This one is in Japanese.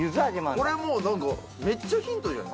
これもうなんかめっちゃヒントじゃない？